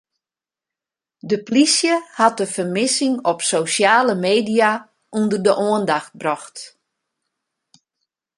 De plysje hat de fermissing op sosjale media ûnder de oandacht brocht.